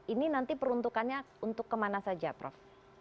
ini nanti peruntukannya untuk kemana saja prof